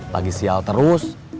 lagi sial terus